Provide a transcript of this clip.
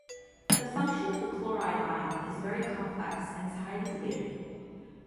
The function of the chloride ion is very complex and is highly debated.